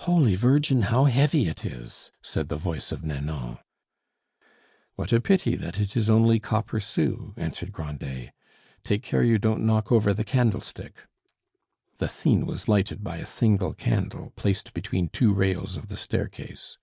"Holy Virgin, how heavy it is!" said the voice of Nanon. "What a pity that it is only copper sous!" answered Grandet. "Take care you don't knock over the candlestick." The scene was lighted by a single candle placed between two rails of the staircase.